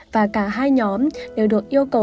và cả hai nhóm đều được yêu cầu